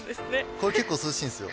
これ結構涼しいんですよ。